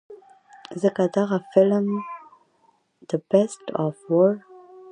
ځکه د خپل دغه فلم The Beast of War